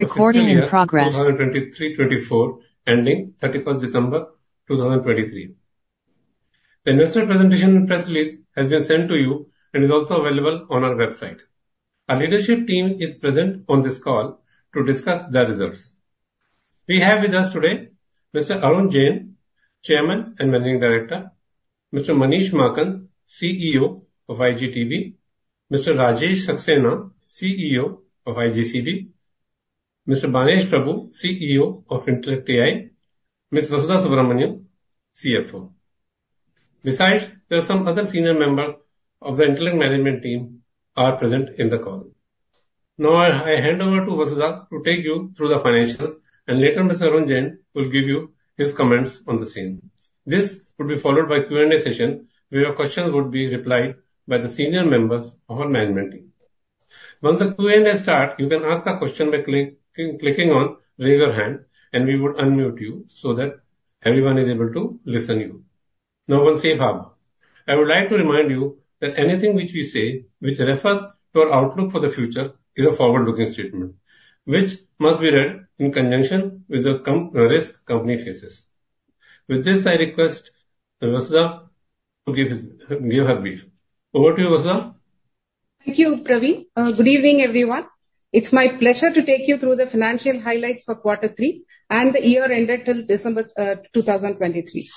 ..2023-2024, ending December 31 2023. The investment presentation press release has been sent to you and is also available on our website. Our leadership team is present on this call to discuss the results. We have with us today Mr. Arun Jain, Chairman and Managing Director, Mr. Manish Maakan, CEO of iGTB, Mr. Rajesh Saxena, CEO of iGCB, Mr. Banesh Prabhu, CEO of IntellectAI, Ms. Vasudha Subramaniam, CFO. Besides, there are some other senior members of the Intellect management team are present in the call. Now, I hand over to Vasudha to take you through the financials, and later Mr. Arun Jain will give you his comments on the same. This would be followed by Q&A session, where your questions would be replied by the senior members of our management team. Once the Q&A start, you can ask a question by clicking on Raise Your Hand, and we would unmute you so that everyone is able to listen you. Now, once again, I would like to remind you that anything which we say which refers to our outlook for the future is a forward-looking statement, which must be read in conjunction with the risks the company faces. With this, I request Vasudha to give her brief. Over to you, Vasudha. Thank you, Praveen. Good evening, everyone. It's my pleasure to take you through the financial highlights for Quarter Three and the year ended till December 2023.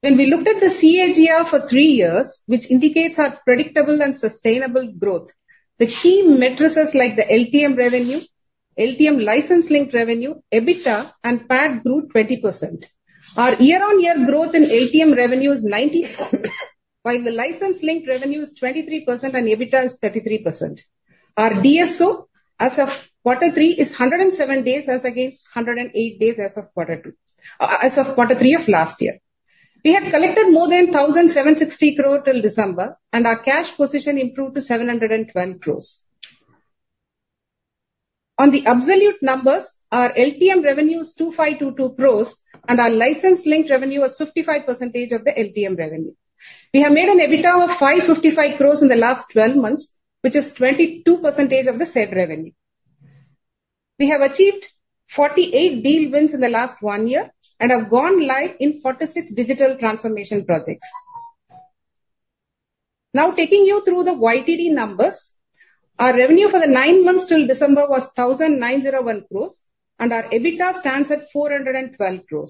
When we looked at the CAGR for three years, which indicates our predictable and sustainable growth, the key metrics like the LTM revenue, LTM license-linked revenue, EBITDA and PAT grew 20%. Our year-on-year growth in LTM revenue is 90%. While the license-linked revenue is 23% and EBITDA is 33%. Our DSO as of Quarter Three is 107 days, as against 108 days as of quarter two, as of quarter three of last year. We have collected more than 1,760 crore till December, and our cash position improved to 712 crore. On the absolute numbers, our LTM revenue is 2,522 crore, and our license-linked revenue was 55% of the LTM revenue. We have made an EBITDA of 555 crore in the last twelve months, which is 22% of the said revenue. We have achieved 48 deal wins in the last one year and have gone live in 46 digital transformation projects. Now, taking you through the YTD numbers. Our revenue for the nine months till December was 1,901 crore, and our EBITDA stands at 412 crore.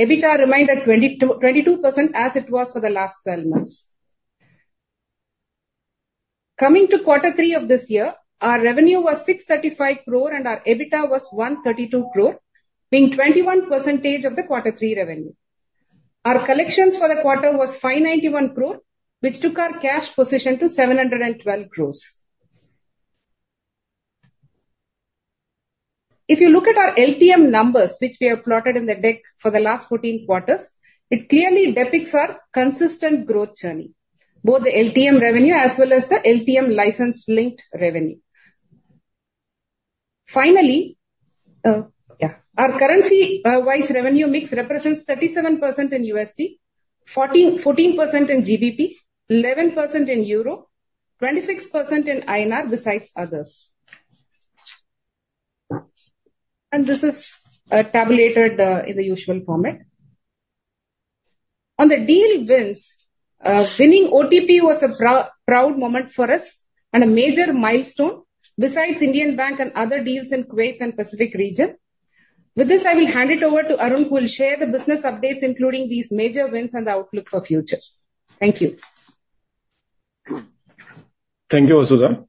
EBITDA remained at 22.22%, as it was for the last twelve months. Coming to quarter three of this year, our revenue was 635 crore, and our EBITDA was 132 crore, being 21% of the Quarter Three revenue. Our collections for the quarter was 591 crore, which took our cash position to 712 crore. If you look at our LTM numbers, which we have plotted in the deck for the last 14 quarters, it clearly depicts our consistent growth journey, both the LTM revenue as well as the LTM license-linked revenue. Finally, our currency-wise revenue mix represents 37% in USD, 14% in GBP, 11% in EUR, 26% in INR, besides others. And this is tabulated in the usual format. On the deal wins, winning OTP was a proud moment for us and a major milestone besides Indian Bank and other deals in Kuwait and Pacific region. With this, I will hand it over to Arun, who will share the business updates, including these major wins and the outlook for future. Thank you. Thank you, Vasudha.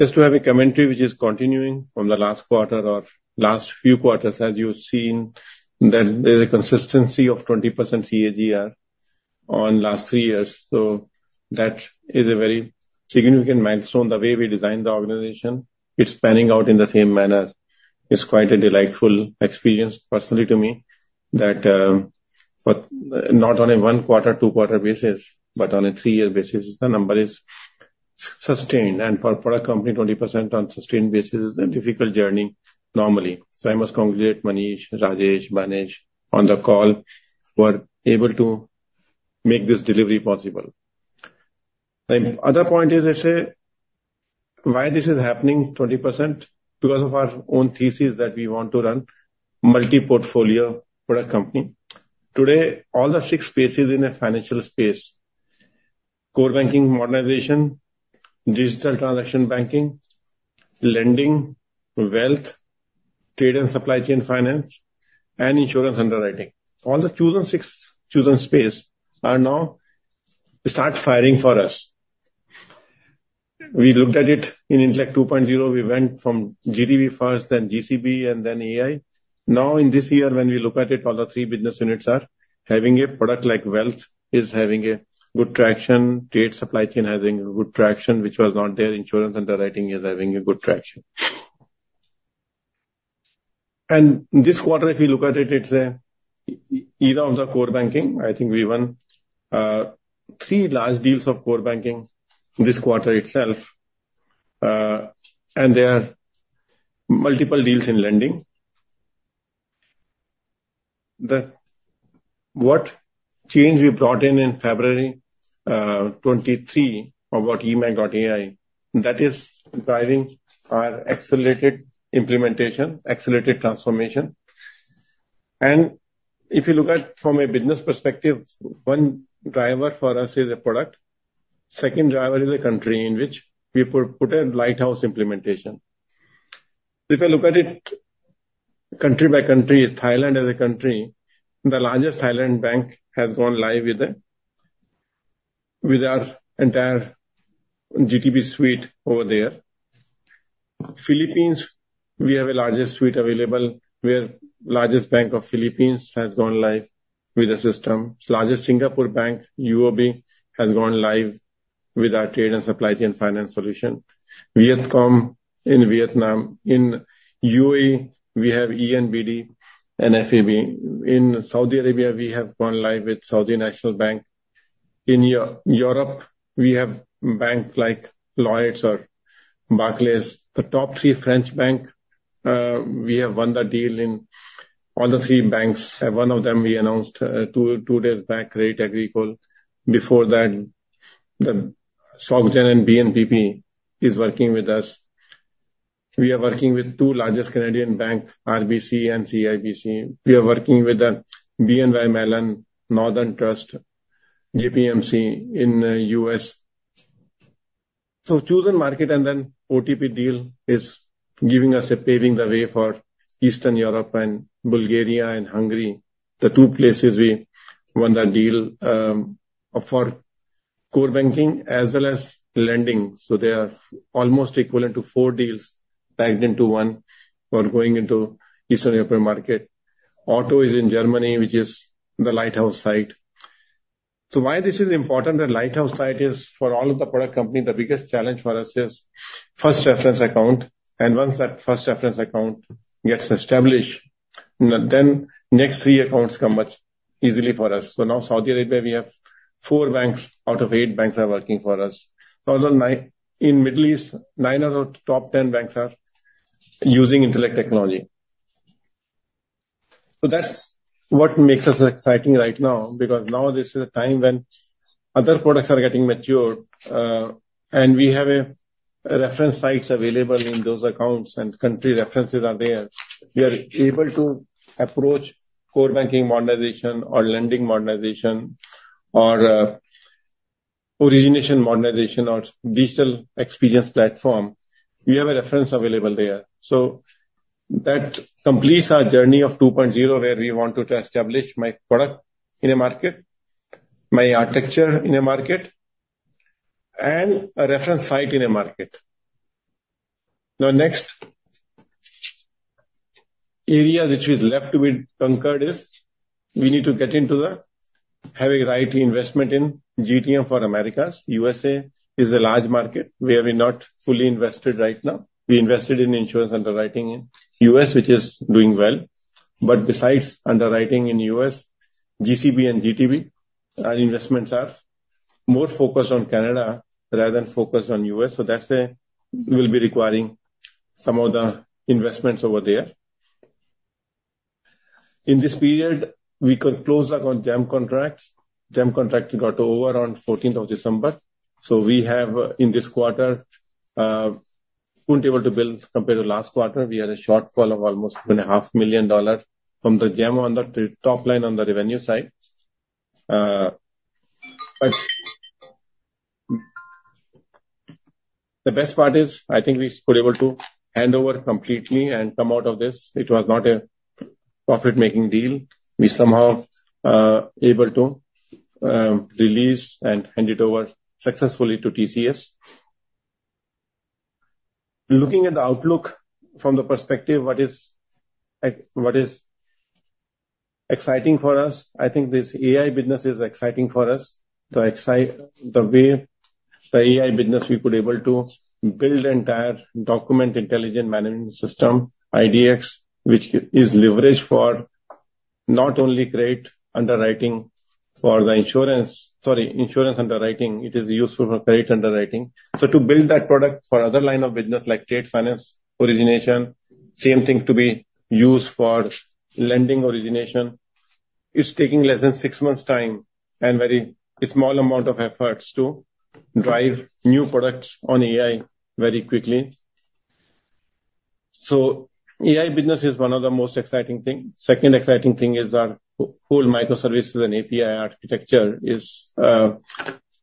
Just to have a commentary which is continuing from the last quarter or last few quarters, as you've seen, that there's a consistency of 20% CAGR on last three years. So that is a very significant milestone. The way we designed the organization, it's panning out in the same manner. It's quite a delightful experience personally to me, that, but not on a one quarter, two quarter basis, but on a three-year basis, the number is sustained. And for, for a company, 20% on sustained basis is a difficult journey normally. So I must congratulate Manish, Rajesh, Banesh on the call, who are able to make this delivery possible. And other point is, let's say, why this is happening 20%? Because of our own thesis that we want to run multi-portfolio for our company. Today, all the six spaces in a financial space: core banking modernization, digital transaction banking, lending, wealth, trade and supply chain finance, and insurance underwriting. All the chosen six, chosen space, are now start firing for us. We looked at it in Intellect 2.0. We went from iGTB first, then iGCB, and then AI. Now, in this year, when we look at it, all the three business units are having a product like wealth, is having a good traction. Trade supply chain is having a good traction, which was not there. Insurance underwriting is having a good traction. And this quarter, if you look at it, it's an era of the core banking. I think we won three large deals of core banking this quarter itself, and there are multiple deals in lending. The change we brought in, in February 2023 about eMACH.ai, that is driving our accelerated implementation, accelerated transformation. If you look at from a business perspective, one driver for us is a product. Second driver is a country in which we put a lighthouse implementation. If I look at it country by country, Thailand as a country, the largest Thailand bank has gone live with the, with our entire GTB suite over there. Philippines, we have a largest suite available, where largest bank of Philippines has gone live with the system. Largest Singapore bank, UOB, has gone live with our trade and supply chain finance solution. Vietcombank in Vietnam. In UAE, we have ENBD and FAB. In Saudi Arabia, we have gone live with Saudi National Bank. In Europe, we have banks like Lloyds or Barclays. The top three French bank, we have won the deal in all the three banks. And one of them, we announced, two two days back, Crédit Agricole. Before that, the Soc Gen and BNPP is working with us. We are working with two largest Canadian banks, RBC and CIBC. We are working with the BNY Mellon, Northern Trust, JPMC in, U.S. So chosen market, and then OTP deal is giving us a paving the way for Eastern Europe and Bulgaria and Hungary, the two places we won that deal, for core banking as well as lending. So they are almost equivalent to four deals packed into one for going into Eastern European market. Otto is in Germany, which is the lighthouse site. So why this is important, the lighthouse site is for all of the product company. The biggest challenge for us is first reference account, and once that first reference account gets established, then next three accounts come much easily for us. So now Saudi Arabia, we have four banks out of eight banks are working for us. Although in Middle East, nine out of top 10 banks are using Intellect technology. So that's what makes us exciting right now, because now this is a time when other products are getting mature, and we have reference sites available in those accounts and country references are there. We are able to approach core banking modernization or lending modernization or origination modernization or digital experience platform. We have a reference available there. So that completes our journey of 2.0, where we want to establish AI product in a market, AI architecture in a market, and a reference site in a market. The next area which is left to be conquered is we need to get into the having right investment in GTM for Americas. U.S.A. is a large market where we're not fully invested right now. We invested in insurance underwriting in U.S., which is doing well. But besides underwriting in U.S., GCB and GTB, our investments are more focused on Canada rather than focused on U.S., so that's where we will be requiring some of the investments over there. In this period, we could close out on GeM contracts. GeM contracts got over on fourteenth of December. So we have, in this quarter, wouldn't able to build compared to last quarter. We had a shortfall of almost $2.5 million from the GeM on the top line, on the revenue side. But the best part is, I think we were able to hand over completely and come out of this. It was not a profit-making deal. We somehow able to release and hand it over successfully to TCS. Looking at the outlook from the perspective, what is exciting for us, I think this AI business is exciting for us. The way the AI business, we could able to build entire document intelligent management system, IDX, which is leveraged for not only great underwriting for the insurance - sorry, insurance underwriting, it is useful for credit underwriting. So to build that product for other line of business, like trade finance, origination, same thing to be used for lending origination, it's taking less than six months' time and very small amount of efforts to drive new products on AI very quickly. So AI business is one of the most exciting thing. Second exciting thing is our whole microservices and API architecture is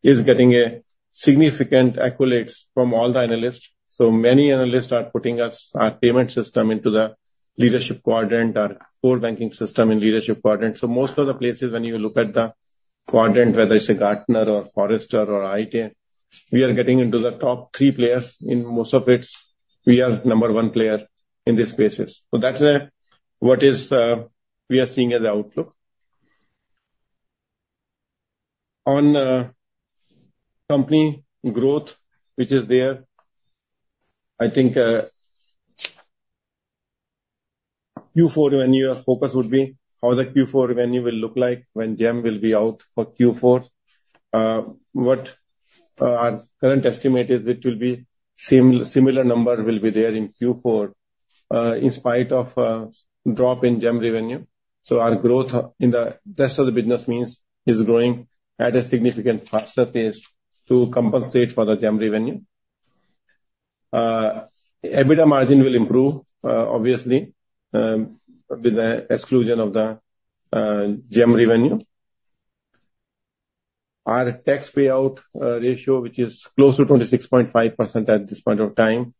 getting a significant accolades from all the analysts. So many analysts are putting us, our payment system into the leadership quadrant, our core banking system in leadership quadrant. So most of the places, when you look at the quadrant, whether it's a Gartner or Forrester or Aite, we are getting into the top three players. In most of it, we are number one player in these spaces. So that's what is we are seeing as the outlook. On company growth, which is there, I think, Q4 revenue, our focus would be how the Q4 revenue will look like when GeM will be out for Q4. What our current estimate is, it will be similar number will be there in Q4, in spite of drop in GeM revenue. So our growth in the rest of the business means is growing at a significant faster pace to compensate for the GeM revenue. EBITDA margin will improve, obviously, with the exclusion of the GeM revenue. Our tax payout ratio, which is close to 26.5% at this point of time,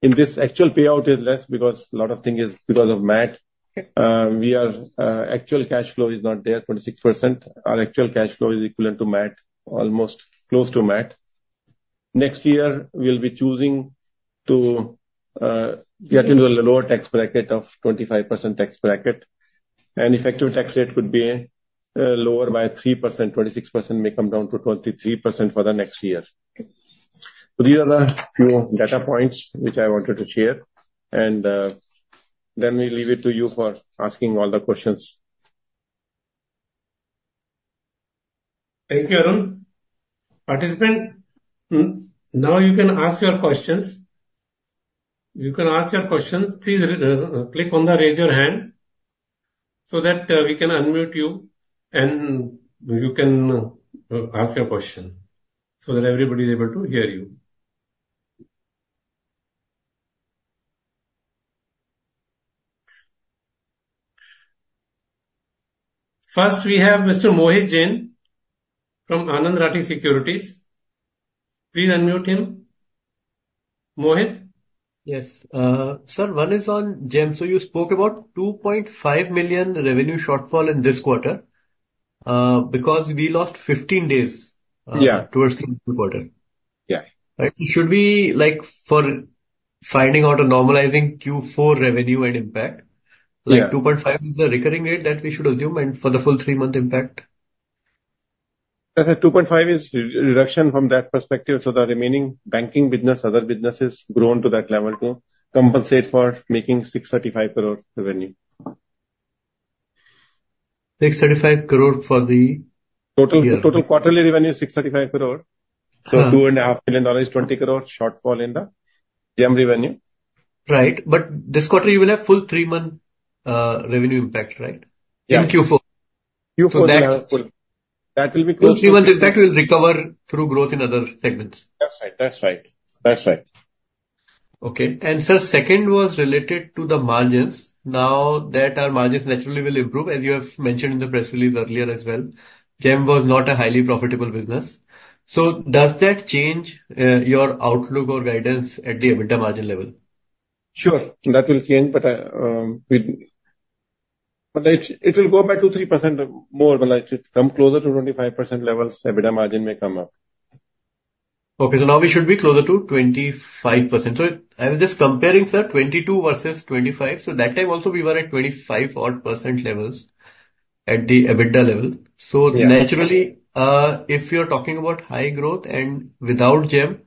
in this actual payout is less because a lot of thing is because of MAT. We are, actual cash flow is not there, 26%. Our actual cash flow is equivalent to MAT, almost close to MAT. Next year, we will be choosing to get into the lower tax bracket of 25% tax bracket, and effective tax rate could be lower by 3%. 26% may come down to 23% for the next year. These are the few data points which I wanted to share, and then we leave it to you for asking all the questions. Thank you, Arun. Participant, now you can ask your questions. You can ask your questions. Please, click on the Raise Your Hand so that we can unmute you, and you can ask your question so that everybody is able to hear you. First, we have Mr. Mohit Jain from Anand Rathi Securities. Please unmute him. Mohit? Yes. Sir, one is on GeM. So you spoke about 2.5 million revenue shortfall in this quarter, because we lost 15 days- Yeah. ...towards the quarter. Yeah. Right. Should we like, for finding out or normalizing Q4 revenue and impact- Yeah. ...2.5 is the recurring rate that we should assume and for the full three month impact? That's a 2.5% reduction from that perspective, so the remaining banking business, other businesses, grow on to that level to compensate for making 635 crore revenue. 635 crore for the- Total quarterly revenue is 635 crore. $2.5 million, 20 crore shortfall in the GeM revenue. Right, but this quarter you will have full three-month revenue impact, right? Yeah. In Q4. Q4 will have full. That will be close- Full three-month impact will recover through growth in other segments. That's right. That's right. That's right. Okay. And, sir, second was related to the margins. Now that our margins naturally will improve, as you have mentioned in the press release earlier as well, GeM was not a highly profitable business. So does that change your outlook or guidance at the EBITDA margin level? Sure, that will change, but it will go back to 3% or more, but like to come closer to 25% levels, EBITDA margin may come up. Okay, so now we should be closer to 25%. So I was just comparing, sir, 22 versus 25, so that time also, we were at 25 odd % levels at the EBITDA level. Yeah. So naturally, if you're talking about high growth and without GeM,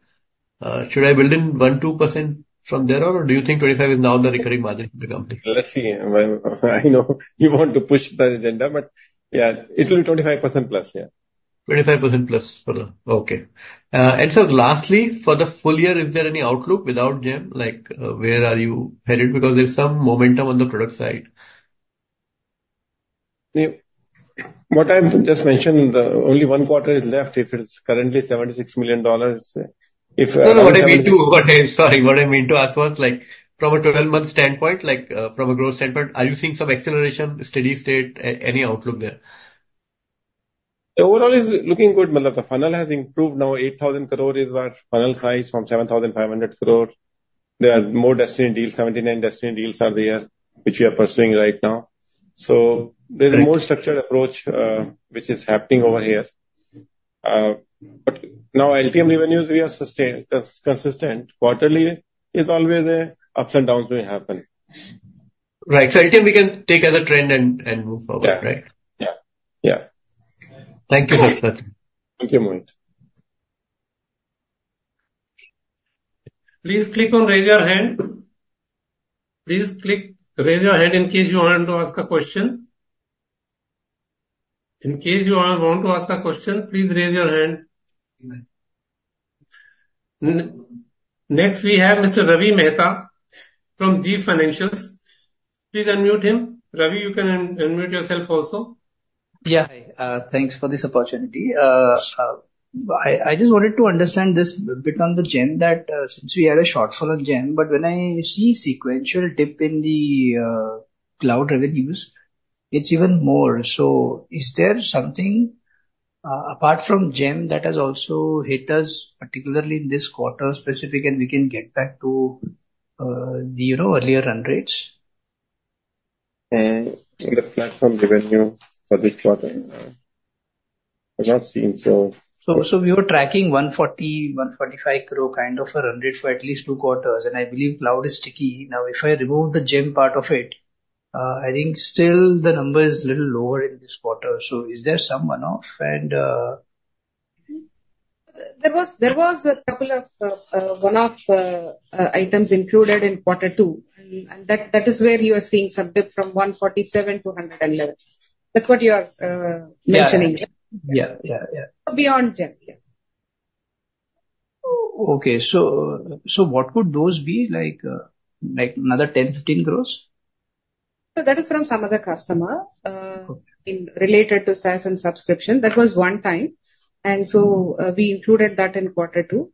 should I build in 1%-2% from there on, or do you think 25% is now the recurring margin for the company? Let's see. I know you want to push the agenda, but yeah, it will be 25%+. Yeah. 25% plus for now. Okay. And sir, lastly, for the full year, is there any outlook without GeM? Like, where are you headed? Because there's some momentum on the product side. What I've just mentioned, only one quarter is left. If it's currently $76 million, if- No, no, what I mean to ask was like from a 12-month standpoint, like, from a growth standpoint, are you seeing some acceleration, steady state, any outlook there? The overall is looking good. [Malla], the funnel has improved. Now, 8,000 crore is our funnel size from 7,500 crore. There are more Destiny deals, 79 Destiny deals are there, which we are pursuing right now. So- Right. There's a more structured approach, which is happening over here. But now LTM revenues, we are sustaining consistent. Quarterly is always ups and downs may happen. Right. So LTM, we can take as a trend and move forward- Yeah. Right? Yeah. Yeah. Thank you, sir. Thank you, Mohit. Please click on Raise Your Hand. Please click Raise Your Hand in case you want to ask a question. In case you want to ask a question, please raise your hand. Next, we have Mr. Ravi Mehta from Deep Financial Consultants. Please unmute him. Ravi, you can unmute yourself also. Yeah. Thanks for this opportunity. I just wanted to understand this bit on the GeM that, since we had a shortfall on GeM, but when I see sequential dip in the cloud revenues, it's even more. So is there something apart from GeM that has also hit us, particularly in this quarter specific, and we can get back to the, you know, earlier run rates? The platform revenue for this quarter, I'm not seeing. So we were tracking 140-145 crore, kind of a run rate for at least two quarters, and I believe cloud is sticky. Now, if I remove the GeM part of it, I think still the number is a little lower in this quarter. So is there some one-off? There was a couple of one-off items included in quarter two, and that is where you are seeing some dip from 147-111. That's what you are mentioning. Yeah. Yeah, yeah, yeah. Beyond gen, yeah. Oh, okay. So what could those be, like another 10 crore-15 crore? That is from some other customer. Okay. In related to SaaS and subscription. That was one time, and so, we included that in quarter two.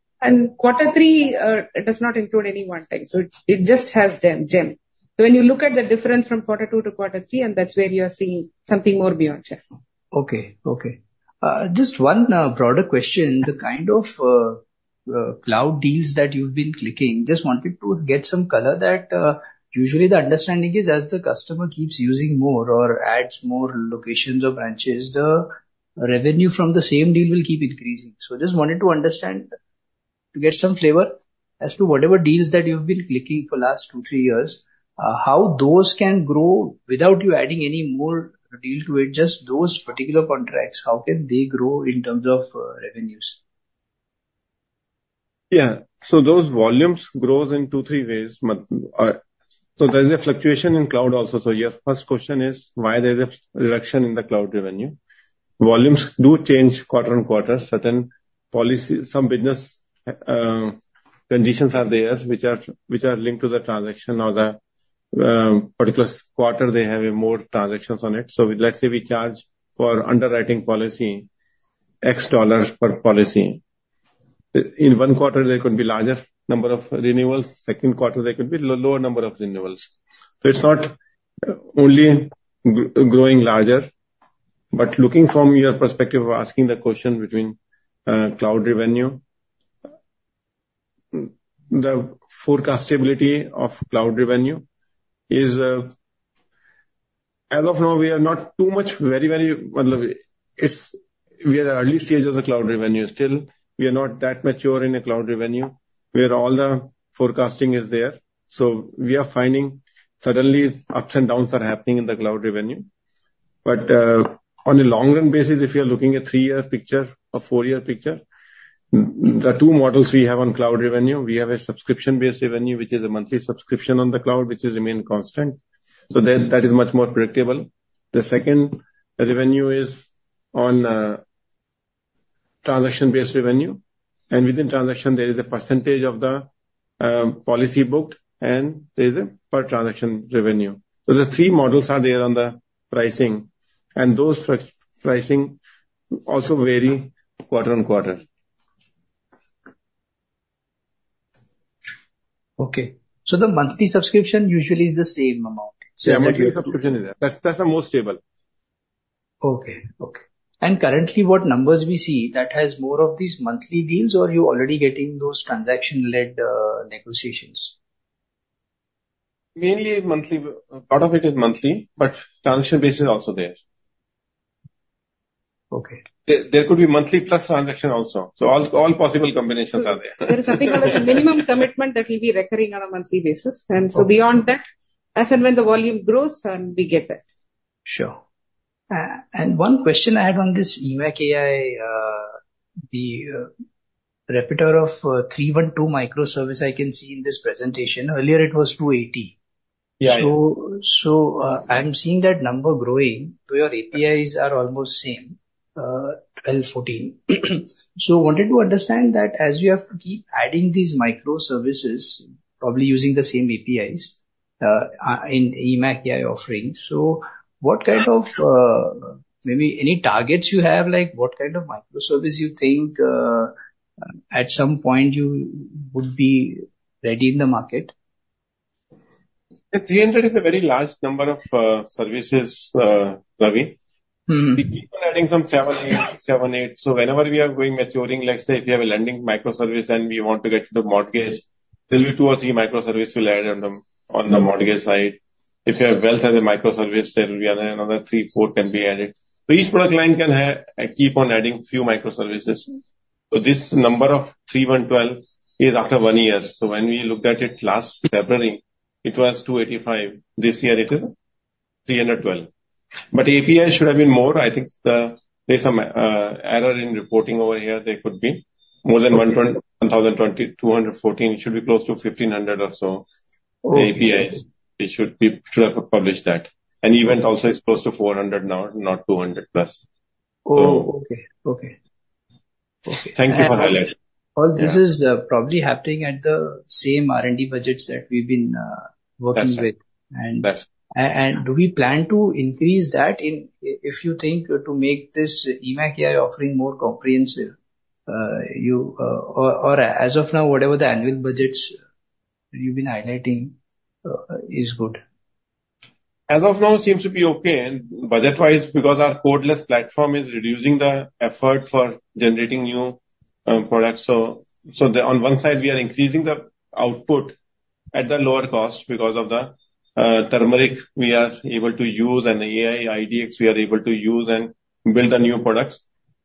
Quarter three, it does not include any one time, so it just has the GeM. So when you look at the difference from quarter two to quarter three, and that's where you are seeing something more beyond GeM. Okay. Okay. Just one broader question. The kind of cloud deals that you've been clicking, just wanted to get some color that usually the understanding is as the customer keeps using more or adds more locations or branches, the revenue from the same deal will keep increasing. So just wanted to understand, to get some flavor as to whatever deals that you've been clicking for last two, three years, how those can grow without you adding any more deal to it, just those particular contracts, how can they grow in terms of revenues? Yeah. So those volumes grows in two, three ways. But, so there's a fluctuation in cloud also. So your first question is, why there's a reduction in the cloud revenue? Volumes do change quarter on quarter. Certain policy, some business, conditions are there which are, which are linked to the transaction or the, particular quarter, they have a more transactions on it. So let's say we charge for underwriting policy $X per policy. In one quarter, there could be larger number of renewals, second quarter, there could be lower number of renewals. So it's not, only growing larger, but looking from your perspective of asking the question between, cloud revenue. The forecastability of cloud revenue is, as of now, we are not too much, very, very, well, it's we are at early stage of the cloud revenue still. We are not that mature in the cloud revenue, where all the forecasting is there. So we are finding suddenly ups and downs are happening in the cloud revenue. But on a long-term basis, if you are looking at three-year picture or four-year picture, the two models we have on cloud revenue, we have a subscription-based revenue, which is a monthly subscription on the cloud, which is remain constant. So then that is much more predictable. The second revenue is on transaction-based revenue, and within transaction there is a percentage of the policy booked, and there's a per-transaction revenue. So the three models are there on the pricing, and those pricing also vary quarter on quarter. Okay. So the monthly subscription usually is the same amount? Yeah, monthly subscription is there. That's, that's the most stable. Okay. Okay. Currently, what numbers we see that has more of these monthly deals, or you're already getting those transaction-led negotiations? Mainly monthly. A lot of it is monthly, but transaction based is also there. Okay. There, there could be monthly plus transaction also. So all, all possible combinations are there. There is something called as a minimum commitment that will be recurring on a monthly basis. Okay. Beyond that, as and when the volume grows, we get that. Sure. One question I had on this eMACH.ai, the repertoire of 312 microservices I can see in this presentation. Earlier it was 280. Yeah. So, I'm seeing that number growing, so your APIs are almost same, 12-14. So wanted to understand that as you have to keep adding these microservices, probably using the same APIs, in eMACH.ai offering. So what kind of... Maybe any targets you have? Like, what kind of microservice you think, at some point you would be ready in the market? The 300 is a very large number of services, Navin. We keep on adding some 7, 8, 7, 8. So whenever we are going maturing, let's say if you have a lending microservice and we want to get to the mortgage, there'll be two or three microservice we'll add on the mortgage side. If you have wealth as a microservice, there will be another three, four can be added. So each product line can have, keep on adding few microservices. So this number of 312 is after one year. So when we looked at it last February, it was 285. This year it is 312. But API should have been more, I think the, there's some, error in reporting over here. There could be more than- Okay. -120, 1,020, 214. It should be close to 1,500 or so. Okay. The APIs. It should be, should have published that. And event also is close to 400 now, not 200+. Oh, okay. Okay. Okay. Thank you for highlighting. All this is probably happening at the same R&D budgets that we've been working with. That's it. And- That's it. Do we plan to increase that in... If you think to make this eMACH.ai offering more comprehensive, or as of now, whatever the annual budgets you've been highlighting, is good? As of now, seems to be okay, and budget-wise, because our codeless platform is reducing the effort for generating new products. So, so the on one side, we are increasing the output at the lower cost because of the Turmeric we are able to use and the AI IDX we are able to use and build the new products.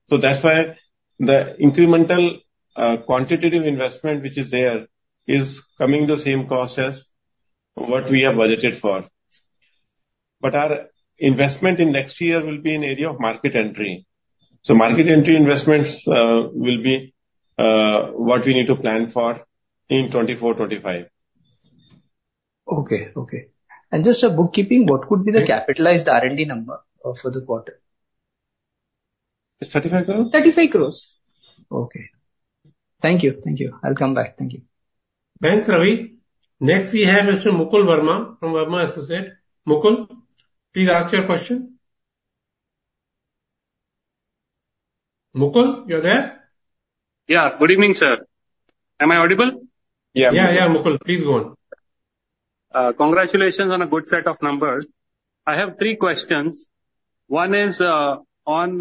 So that's why the incremental quantitative investment which is there is coming the same cost as what we have budgeted for. But our investment in next year will be in area of market entry. So market entry investments will be what we need to plan for in 2024, 2025. Okay, okay. Just a bookkeeping, what could be the capitalized R&D number for this quarter? It's 35 crore. 35 crore. Okay. Thank you, thank you. I'll come back. Thank you. Thanks, Ravi. Next, we have Mr. Mukul Varma from Varma Associates. Mukul, please ask your question. Mukul, you're there? Yeah. Good evening, sir. Am I audible? Yeah. Yeah, yeah, Mukul, please go on. Congratulations on a good set of numbers. I have three questions. One is, on,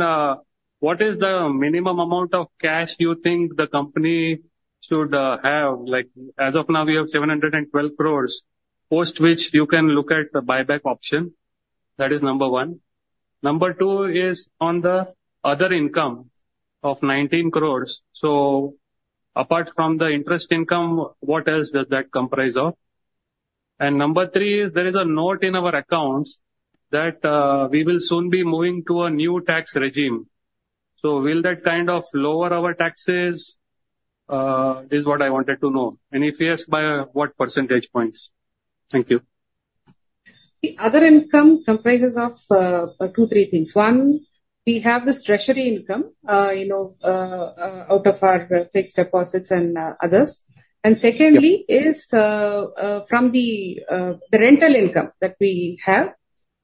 what is the minimum amount of cash you think the company should, have? Like, as of now, we have 712 crores, post which you can look at the buyback option. That is number one. Number two is on the other income of 19 crores. So apart from the interest income, what else does that comprise of? And number three is, there is a note in our accounts that, we will soon be moving to a new tax regime. So will that kind of lower our taxes? This is what I wanted to know. And if yes, by what percentage points? Thank you. The other income comprises of two, three things. One, we have this treasury income, you know, out of our fixed deposits and others. And secondly is from the rental income that we have.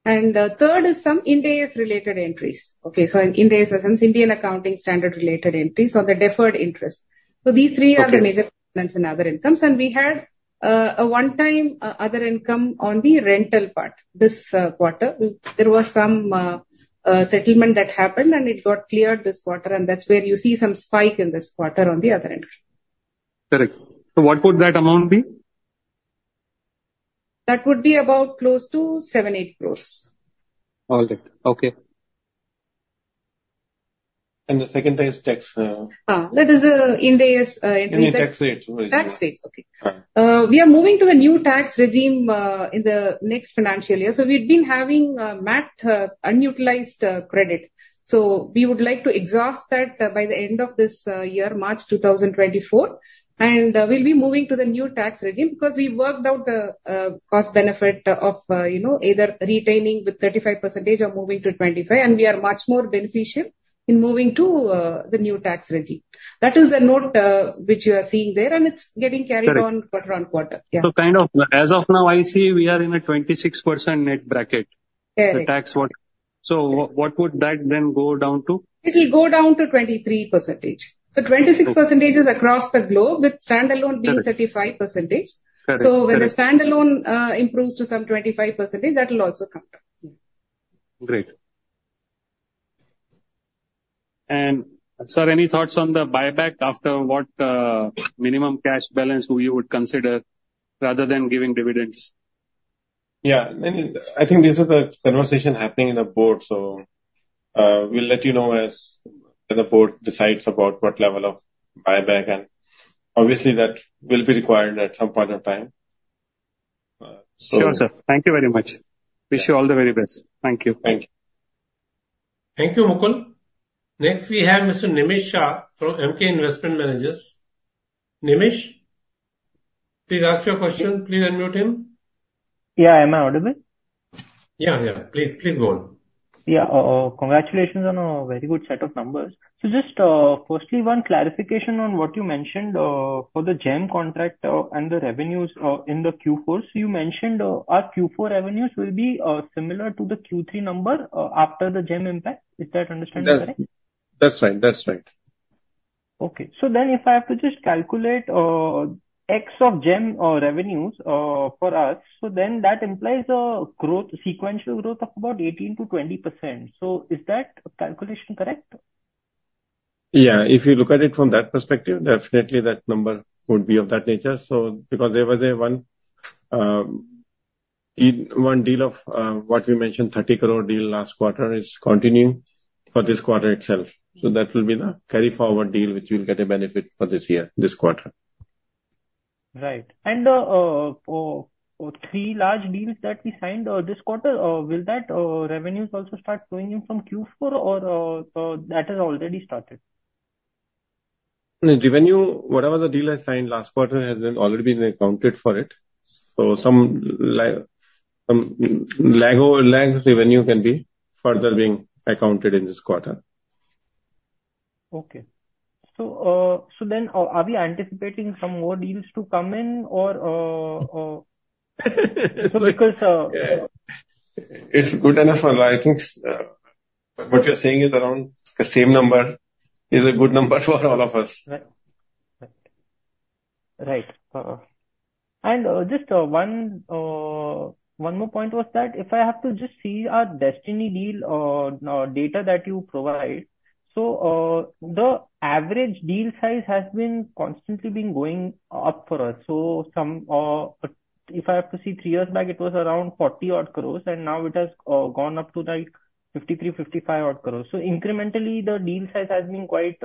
And the third is some Ind AS related entries. Okay, so an Ind AS, as in Indian Accounting Standard related entries or the deferred interest. So these three are- Okay. The major components in other income. We had a one-time other income on the rental part this quarter. There was some settlement that happened, and it got cleared this quarter, and that's where you see some spike in this quarter on the other end. Correct. So what would that amount be? That would be about close to 7 crore-8 crore. All right. Okay. The second one is tax. That is, Ind AS entry. In the tax rates. Tax rates, okay. Right. We are moving to a new tax regime in the next financial year. So we've been having MAT unutilized credit. So we would like to exhaust that by the end of this year, March 2024. And we'll be moving to the new tax regime because we worked out the cost benefit of, you know, either retaining with 35% or moving to 25, and we are much more beneficial in moving to the new tax regime. That is the note which you are seeing there, and it's getting carried on- Correct. Quarter-over-quarter. Yeah. So kind of, as of now, I see we are in a 26% net bracket. Yeah. So what would that then go down to? It will go down to 23%. Okay. 26% is across the globe, with standalone being 35%. Correct. When the standalone improves to some 25%, that will also come down. Yeah. Great. And sir, any thoughts on the buyback after what minimum cash balance you would consider rather than giving dividends? Yeah. I mean, I think this is a conversation happening in the board, so, we'll let you know as, as the board decides about what level of buyback, and obviously, that will be required at some point in time. So- Sure, sir. Thank you very much. Yeah. Wish you all the very best. Thank you. Thank you. Thank you, Mukul. Next, we have Mr. Nemish Shah from Emkay Investment Managers. Nemish, please ask your question. Please unmute him. Yeah. Am I audible? Yeah, yeah. Please, please go on. Yeah. Congratulations on a very good set of numbers. So just, firstly, one clarification on what you mentioned, for the GeM contract, and the revenues, in the Q4. So you mentioned, our Q4 revenues will be, similar to the Q3 number, after the GeM impact. Is that understanding correct? That's right. That's right. Okay. So then, if I have to just calculate, ex of GeM, revenues, for us, so then that implies a growth, sequential growth of about 18%-20%. So is that calculation correct? Yeah. If you look at it from that perspective, definitely that number would be of that nature. So because there was a one-off deal of what we mentioned, 30 crore deal last quarter, is continuing for this quarter itself. So that will be the carry-forward deal, which we'll get a benefit for this year, this quarter. Right. And three large deals that we signed this quarter, will that revenues also start flowing in from Q4 or that has already started? The revenue, whatever the deal I signed last quarter, has already been accounted for it. So some lag revenue can be further being accounted in this quarter. Okay. So, so then, are we anticipating some more deals to come in or, It's good enough. I think, what you're saying is around the same number is a good number for all of us. Right. Right. And, just, one more point was that if I have to just see our recent deal data that you provide, so, the average deal size has constantly been going up for us. So, if I have to see three years back, it was around 40-odd crore, and now it has gone up to like 53-odd crore-55-odd crore. So incrementally, the deal size has been quite,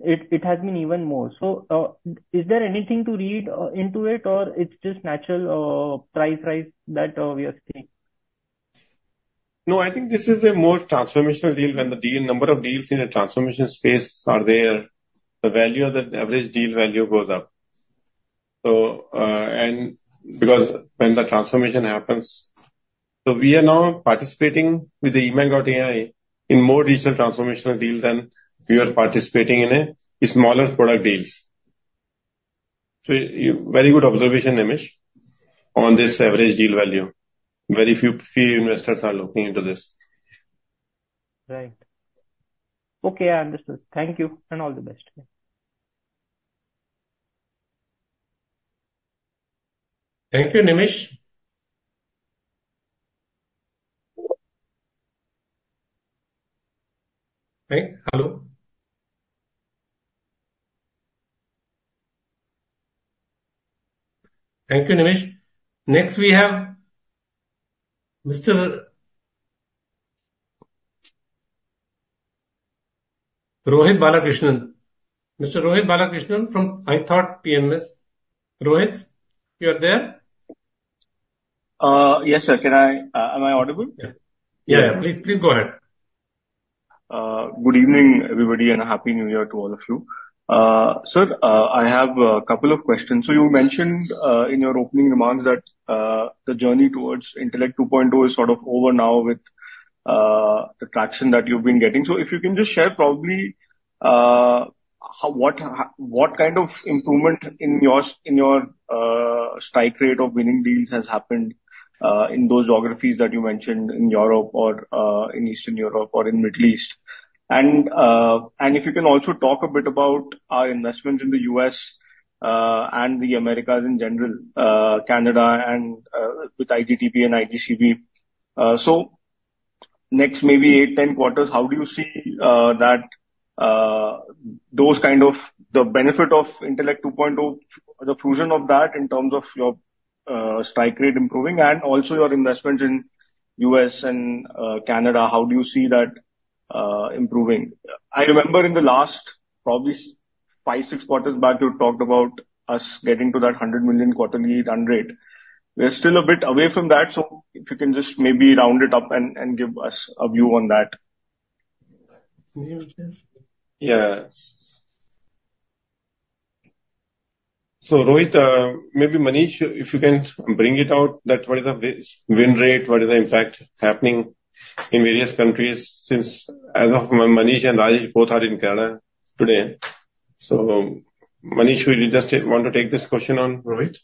it has been even more. So, is there anything to read into it or it's just natural price rise that we are seeing? No, I think this is a more transformational deal. When the deal, number of deals in the transformation space are there, the value of the average deal value goes up. So, and because when the transformation happens... So we are now participating with the eMACH.ai in more digital transformational deals than we are participating in a smaller product deals. So you- very good observation, Nimish, on this average deal value. Very few investors are looking into this. Right. Okay, I understand. Thank you, and all the best. Thank you, Nimish. Hey, hello? Thank you, Nimish. Next, we have Mr. Rohit Balakrishnan. Mr. Rohit Balakrishnan from iThought PMS. Rohit, you are there? Yes, sir, can I... Am I audible? Yeah. Yeah, please, please go ahead. Good evening, everybody, and a happy new year to all of you. Sir, I have a couple of questions. So you mentioned in your opening remarks that the journey towards Intellect 2.0 is sort of over now with the traction that you've been getting. So if you can just share probably how what kind of improvement in your strike rate of winning deals has happened in those geographies that you mentioned in Europe or in Eastern Europe or in Middle East? And if you can also talk a bit about our investment in the US and the Americas in general, Canada and with iGCB and iGTB. So next, maybe 8-10 quarters, how do you see that, those kind of the benefit of Intellect 2.0, the fruition of that in terms of your strike rate improving and also your investment in U.S. and Canada, how do you see that improving? I remember in the last probably 5-6 quarters back, you talked about us getting to that $100 million quarterly run rate. We are still a bit away from that, so if you can just maybe round it up and give us a view on that. Yeah. So, Rohit, maybe Manish, if you can bring it out, that what is the win, win rate? What is the impact happening in various countries since as of Manish and Rajesh both are in Canada today. So, Manish, would you just want to take this question on Rohit?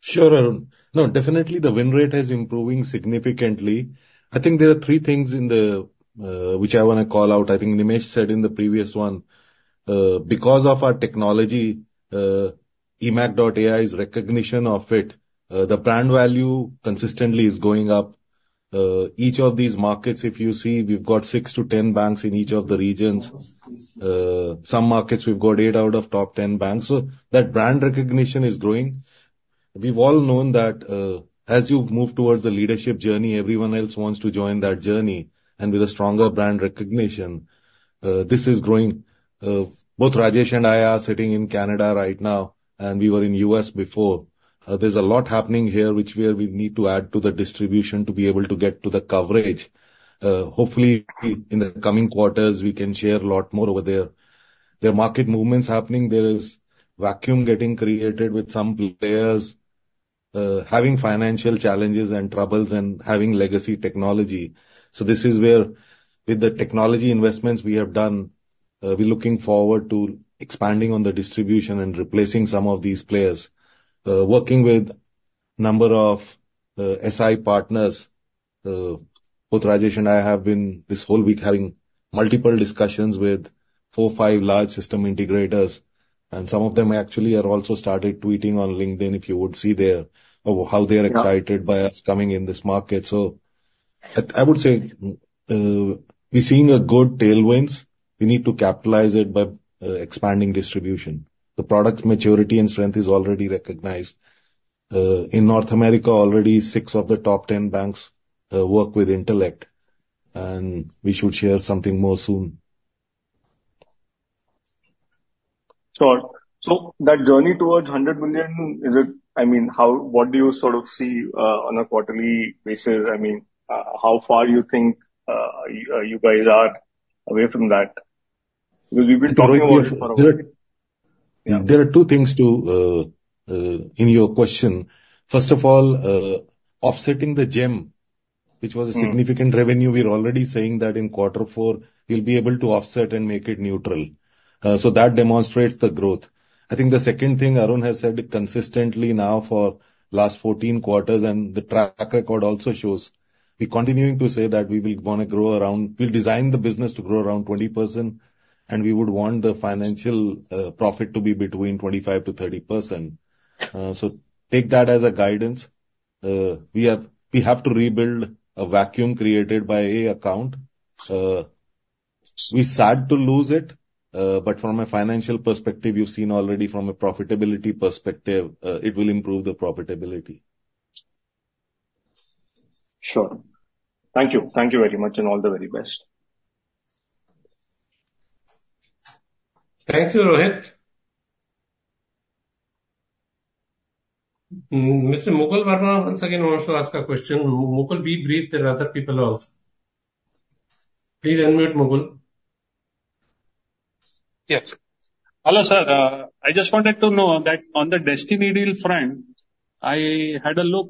Sure, Arun. No, definitely the win rate is improving significantly. I think there are three things in the, which I want to call out. I think Nimish said in the previous one. Because of our technology, eMACH.ai's recognition of it, the brand value consistently is going up. Each of these markets, if you see, we've got 6-10 banks in each of the regions. Some markets, we've got 8 out of top 10 banks. So that brand recognition is growing. We've all known that, as you move towards the leadership journey, everyone else wants to join that journey, and with a stronger brand recognition, this is growing. Both Rajesh and I are sitting in Canada right now, and we were in U.S. before. There's a lot happening here which we are, we need to add to the distribution to be able to get to the coverage. Hopefully, in the coming quarters, we can share a lot more over there. There are market movements happening. There is vacuum getting created with some players, having financial challenges and troubles and having legacy technology. So this is where, with the technology investments we have done, we're looking forward to expanding on the distribution and replacing some of these players. Working with number of SI partners, both Rajesh and I have been this whole week having multiple discussions with four, five large system integrators, and some of them actually have also started tweeting on LinkedIn, if you would see there, of how they are excited- Yeah -by us coming in this market. So I, I would say, we're seeing good tailwinds. We need to capitalize it by expanding distribution. The product maturity and strength is already recognized. In North America, already six of the top ten banks work with Intellect, and we should share something more soon. Sure. So that journey towards 100 million, is it? I mean, what do you sort of see on a quarterly basis? I mean, how far you think you guys are away from that? Because we've been talking about it for a while. There are- Yeah. There are two things to in your question. First of all, offsetting the GeM, which was a significant revenue, we're already saying that in quarter four we'll be able to offset and make it neutral. So that demonstrates the growth. I think the second thing Arun has said it consistently now for last 14 quarters, and the track record also shows, we're continuing to say that we will want to grow around- we'll design the business to grow around 20%, and we would want the financial profit to be between 25%-30%. So take that as a guidance. We have, we have to rebuild a vacuum created by an account. We're sad to lose it, but from a financial perspective, you've seen already from a profitability perspective, it will improve the profitability. Sure. Thank you. Thank you very much, and all the very best. Thank you, Rohit. Mr. Mukul Verma, once again wants to ask a question. Mukul, be brief, there are other people also. Please unmute, Mukul. Yes. Hello, sir. I just wanted to know that on the Destiny deal front, I had a look,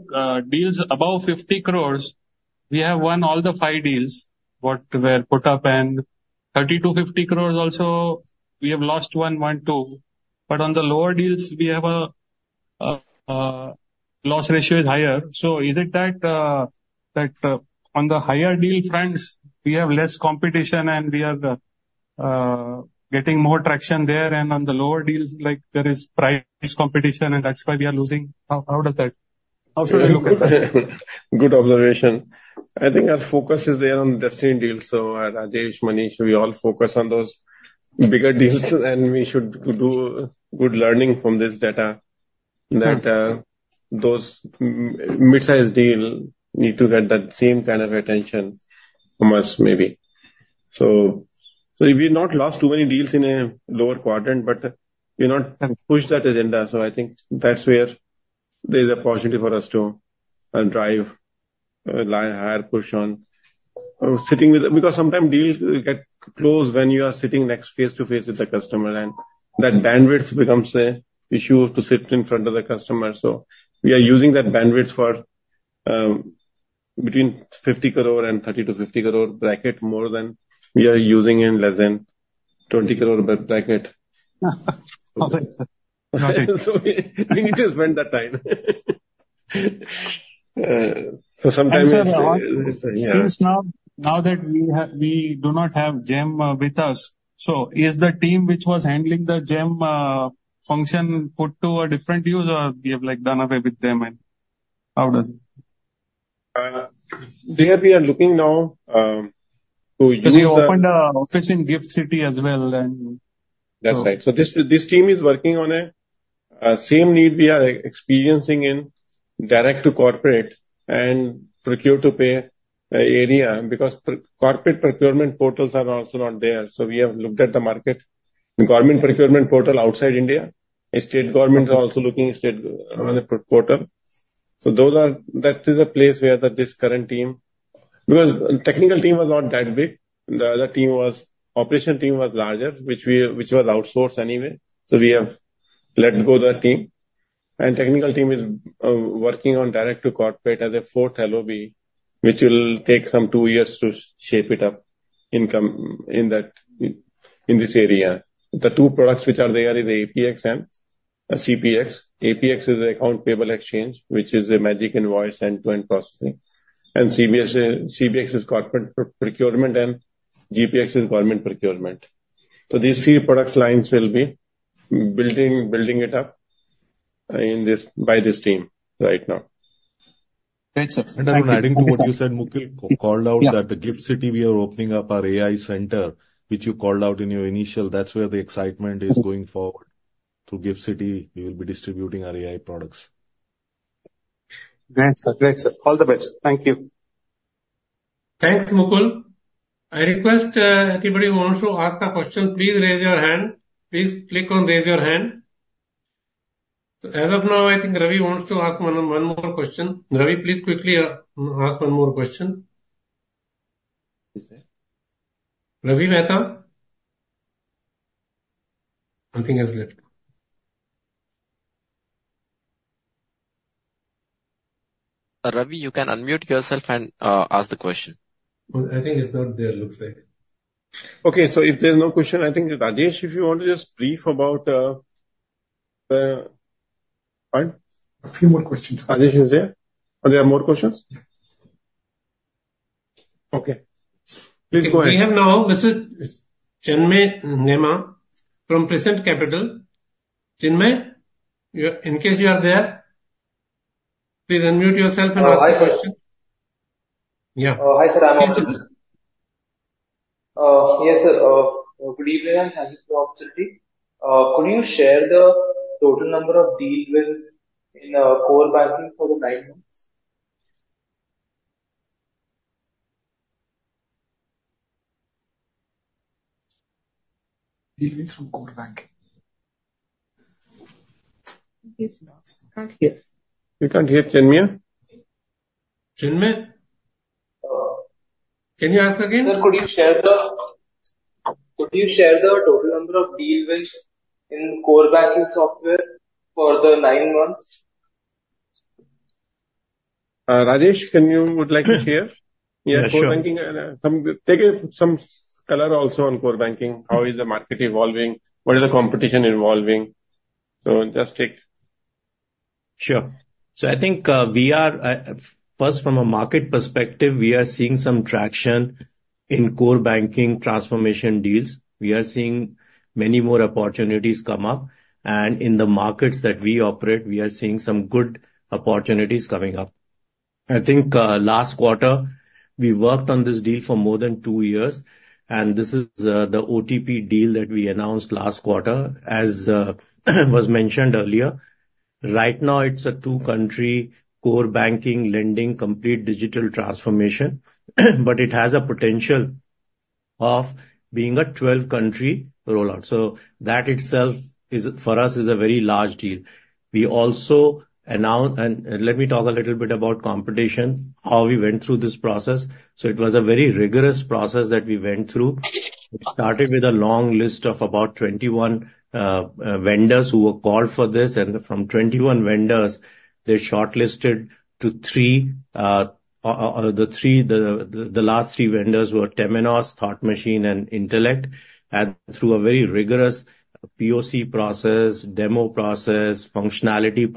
deals above 50 crores, we have won all the five deals what were put up, and 30 crores-50 crores also, we have lost one, one, two. But on the lower deals, we have a loss ratio is higher. So is it that on the higher deal fronts, we have less competition and we are getting more traction there, and on the lower deals, like, there is price competition and that's why we are losing? How does that- How should I look at it? Good observation. I think our focus is there on Destiny deals, so, Rajesh, Manish, we all focus on those bigger deals, and we should do good learning from this data, that, those mid-sized deal need to get that same kind of attention from us, maybe. So, so we've not lost too many deals in a lower quadrant, but we've not pushed that agenda. So I think that's where there's an opportunity for us to, drive a higher push on. Sitting with... Because sometimes deals get closed when you are sitting next face-to-face with the customer, and that bandwidth becomes an issue to sit in front of the customer, so we are using that bandwidth for, between 50 crore and 30-50 crore bracket more than we are using in less than 20 crore bracket. Okay. So we need to spend that time. So sometimes- And sir, since now that we have, we do not have GeM with us, so is the team which was handling the GeM function put to a different use, or we have, like, done away with them, and how does it? There we are looking now to use. We opened an office in GIFT City as well, and- That's right. So this team is working on a same need we are experiencing in direct to corporate and procure to pay area, because corporate procurement portals are also not there, so we have looked at the market. The government procurement portal outside India, the state government are also looking state on a pro-portal. So those are, that is a place where the this current team. Because technical team was not that big. The other team was, operation team was larger, which we, which was outsourced anyway, so we have let go that team. And technical team is working on direct to corporate as a fourth LOB, which will take some two years to shape it up in com- in that, in, in this area. The two products which are there is APX and CPX. APX is the accounts payable exchange, which is a Magic Invoice end-to-end processing. And CPX is corporate procurement and GPX is government procurement. So these three product lines will be building it up in this, by this team right now. Thanks, sir. Adding to what you said, Mukul called out that the GIFT City, we are opening up our AI center, which you called out in your initial. That's where the excitement is going forward. Through GIFT City, we will be distributing our AI products. Great, sir. Great, sir. All the best. Thank you. Thanks, Mukul. I request anybody who wants to ask a question, please raise your hand. Please click on, Raise Your Hand. So as of now, I think Ravi wants to ask one, one more question. Ravi, please quickly ask one more question. Yes, sir. Ravi Mehta? I think he has left. Ravi, you can unmute yourself and ask the question. Well, I think he's not there, looks like. Okay, so if there's no question, I think, Rajesh, if you want to just brief about... Fine? A few more questions. Rajesh is there. Are there more questions? Yeah. Okay. Please go ahead. We have now, Mr. Chinmay Nema from Prescient Capital. Chinmay, you are, in case you are there, please unmute yourself and ask the question. Hi, sir. Yeah. Hi, sir. Yes, sir. Good evening, and thanks for the opportunity. Could you share the total number of deal wins in Core Banking for the nine months? Deal wins from Core Banking. Yes, sir. Can't hear. We can't hear Chinmay? Chinmay? Uh- Can you ask again? Sir, could you share the total number of deal wins in Core Banking software for the nine months? Rajesh, would like to share? Yeah, sure. Core Banking and some color also on Core Banking. How is the market evolving? What is the competition evolving? So just take... Sure. So I think, first, from a market perspective, we are seeing some traction in core banking transformation deals. We are seeing many more opportunities come up, and in the markets that we operate, we are seeing some good opportunities coming up. I think, last quarter, we worked on this deal for more than two years, and this is the OTP deal that we announced last quarter, as was mentioned earlier. Right now, it's a two country core banking, lending, complete digital transformation, but it has a potential of being a 12-country rollout. So that itself is, for us, a very large deal. And let me talk a little bit about competition, how we went through this process. So it was a very rigorous process that we went through. It started with a long list of about 21 vendors who were called for this, and from 21 vendors, they shortlisted to three, the last three vendors were Temenos, Thought Machine, and Intellect. Through a very rigorous POC process, demo process, functionality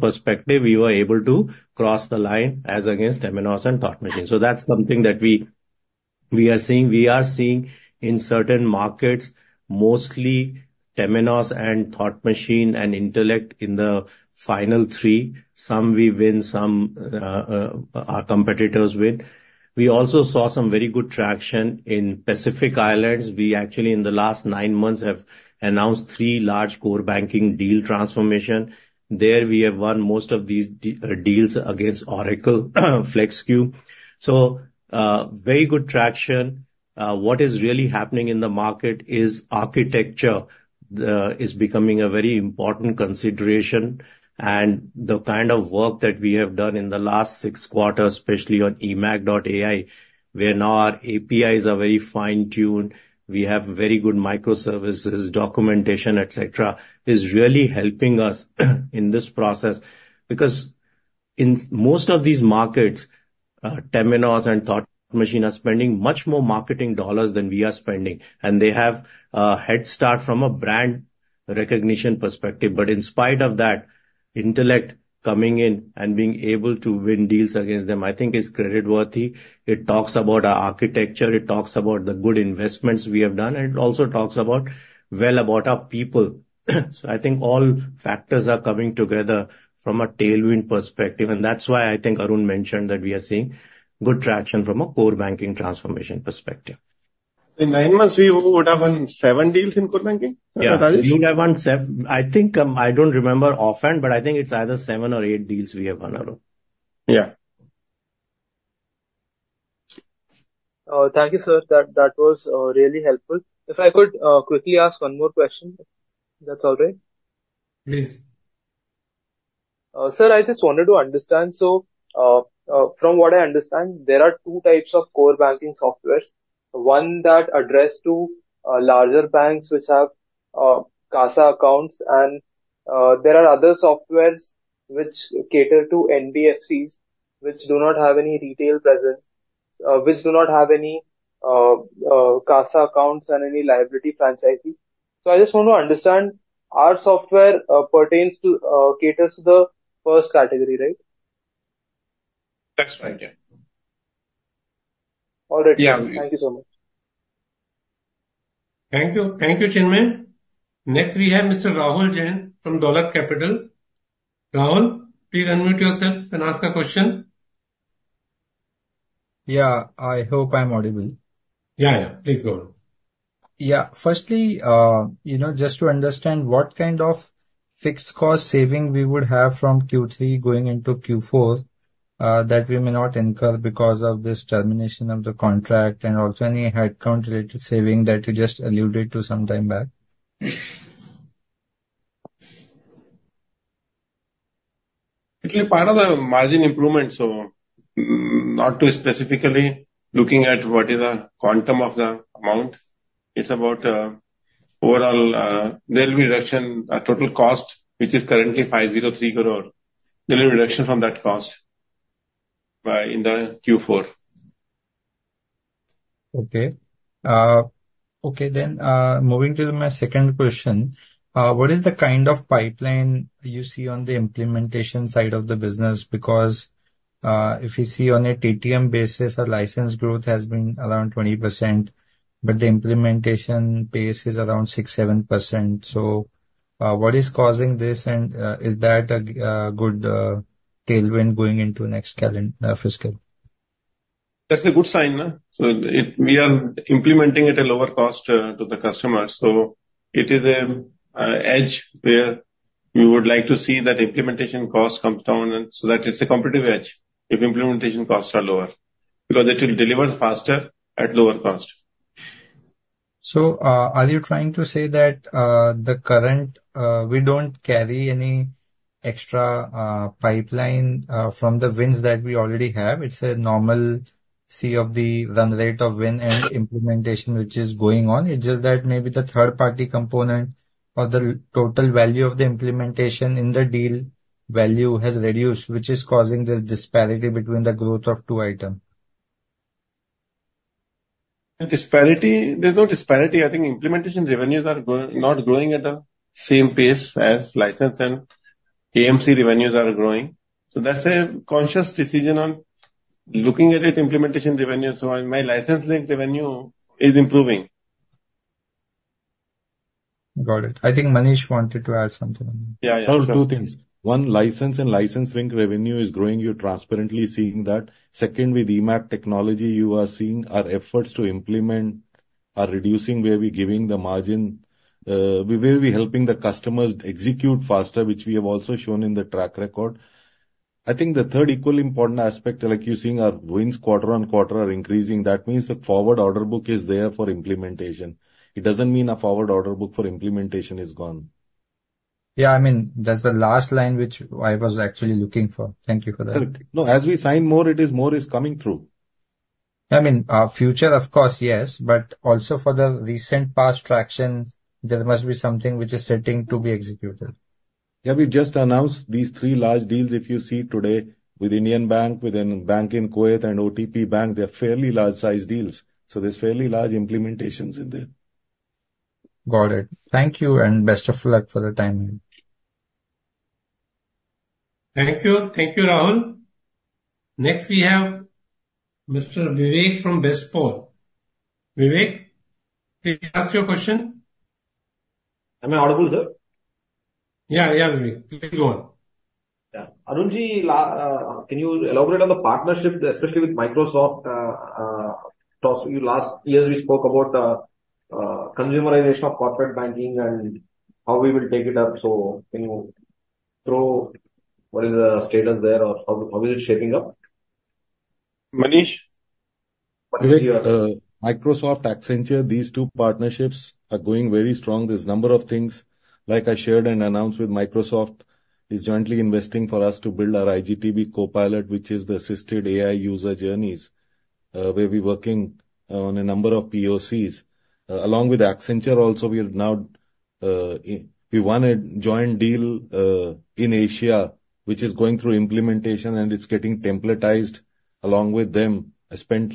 perspective, we were able to cross the line as against Temenos and Thought Machine. That's something that we are seeing. We are seeing in certain markets, mostly Temenos and Thought Machine and Intellect in the final three. Some we win, some our competitors win. We also saw some very good traction in Pacific Islands. We actually, in the last nine months, have announced three large core banking deal transformations. There, we have won most of these deals against Oracle, Flexcube. Very good traction. What is really happening in the market is architecture is becoming a very important consideration, and the kind of work that we have done in the last six quarters, especially on eMACH.ai, where now our APIs are very fine-tuned, we have very good microservices, documentation, et cetera, is really helping us in this process. Because in most of these markets, Temenos and Thought Machine are spending much more marketing dollars than we are spending, and they have a head start from a brand recognition perspective. But in spite of that, Intellect coming in and being able to win deals against them, I think is creditworthy. It talks about our architecture, it talks about the good investments we have done, and it also talks about, well, about our people. I think all factors are coming together from a tailwind perspective, and that's why I think Arun mentioned that we are seeing good traction from a core banking transformation perspective. In nine months, we would have won seven deals in core banking? Yeah. Is that right? We would have won seven... I think, I don't remember offhand, but I think it's either seven or eight deals we have won, Arun. Yeah. Thank you, sir. That, that was really helpful. If I could quickly ask one more question, if that's all right? Please. Sir, I just wanted to understand. So, from what I understand, there are two types of core banking softwares. One that address to larger banks which have CASA accounts, and there are other softwares which cater to NBFCs, which do not have any retail presence, which do not have any CASA accounts and any liability franchise. So I just want to understand, our software pertains to caters to the first category, right? That's right, yeah. All right. Yeah. Thank you so much. Thank you. Thank you, Chinmay. Next, we have Mr. Rahul Jain from Dolat Capital. Rahul, please unmute yourself and ask a question. Yeah. I hope I'm audible. Yeah, yeah. Please, go on. Yeah. Firstly, you know, just to understand, what kind of fixed cost saving we would have from Q3 going into Q4, that we may not incur because of this termination of the contract and also any headcount-related saving that you just alluded to some time back? It's a part of the margin improvement, so not specifically looking at what is the quantum of the amount. It's about overall, there'll be reduction total cost, which is currently 503 crore. There'll be reduction from that cost by in the Q4. Okay. Okay, then, moving to my second question, what is the kind of pipeline you see on the implementation side of the business? Because, if you see on a TTM basis, our license growth has been around 20%, but the implementation pace is around 6%-7%. So, what is causing this? And, is that a good tailwind going into next calendar fiscal? That's a good sign, no? So it... We are implementing at a lower cost to the customer, so it is an edge where we would like to see that implementation cost comes down, and so that it's a competitive edge if implementation costs are lower, because it will deliver faster at lower cost. So, are you trying to say that, the current, we don't carry any extra, pipeline, from the wins that we already have? It's a normalcy of the run rate of win and implementation, which is going on. It's just that maybe the third-party component or the total value of the implementation in the deal value has reduced, which is causing this disparity between the growth of two item. The disparity, there's no disparity. I think implementation revenues are not growing at the same pace as license and AMC revenues are growing. So that's a conscious decision on looking at it, implementation revenue. So my licensing revenue is improving. Got it. I think Manish wanted to add something. Yeah, yeah. Two things. One, license and license-linked revenue is growing, you're transparently seeing that. Second, with eMACH technology, you are seeing our efforts to implement are reducing, where we're giving the margin, we will be helping the customers execute faster, which we have also shown in the track record. I think the third equally important aspect, like you're seeing, our wins quarter on quarter are increasing. That means the forward order book is there for implementation. It doesn't mean a forward order book for implementation is gone. Yeah, I mean, that's the last line which I was actually looking for. Thank you for that. No, as we sign more, it is more coming through. I mean, future, of course, yes, but also for the recent past traction, there must be something which is sitting to be executed. Yeah, we just announced these three large deals. If you see today with Indian Bank, with a bank in Kuwait and OTP Bank, they're fairly large size deals, so there's fairly large implementations in there. Got it. Thank you, and best of luck for the timing. Thank you. Thank you, Rahul. Next, we have Mr. Vivek from Bestpals. Vivek, please ask your question. Am I audible, sir? Yeah, yeah, Vivek. Please go on. Yeah. Arunji, can you elaborate on the partnership, especially with Microsoft? So last years we spoke about the consumerization of corporate banking and how we will take it up. So can you throw what is the status there or how, how is it shaping up? Manish? Microsoft, Accenture, these two partnerships are going very strong. There's a number of things, like I shared and announced with Microsoft, is jointly investing for us to build our iGTB Copilot, which is the assisted AI user journeys. We'll be working on a number of POCs. Along with Accenture also, we are now, we won a joint deal in Asia, which is going through implementation, and it's getting templatized along with them. I spent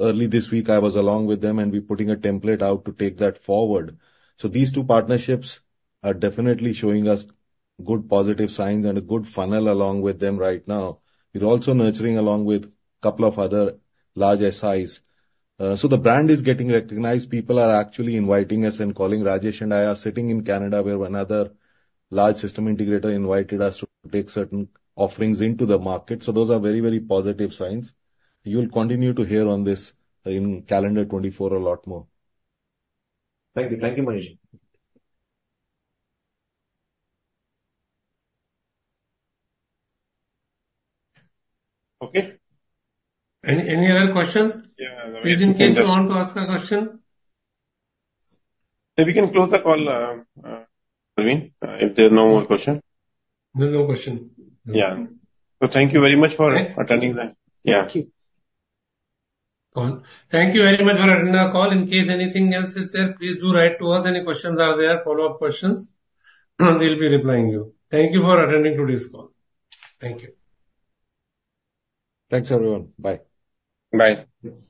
early this week along with them, and we're putting a template out to take that forward. So these two partnerships are definitely showing us good positive signs and a good funnel along with them right now. We're also nurturing along with a couple of other large SIs. So the brand is getting recognized. People are actually inviting us and calling. Rajesh and I are sitting in Canada, where another large system integrator invited us to take certain offerings into the market. Those are very, very positive signs. You'll continue to hear on this in calendar 2024 a lot more. Thank you. Thank you, Manish. Okay. Any other questions? Yeah. Please, in case you want to ask a question. If we can close the call, I mean, if there's no more question. There's no question. Yeah. Thank you very much for attending then. Yeah. Thank you. Thank you very much for attending our call. In case anything else is there, please do write to us. Any questions are there, follow-up questions, we'll be replying you. Thank you for attending today's call. Thank you. Thanks, everyone. Bye. Bye.